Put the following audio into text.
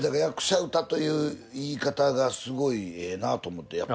「役者唄」という言い方がすごいええなと思って。